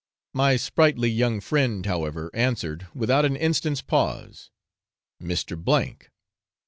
My sprightly young friend, however, answered, without an instant's pause, 'Mr. K